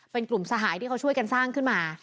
เป็นกลุ่มสหายที่เขาช่วยกันสร้างขึ้นมา